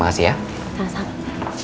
makasih ya salam salam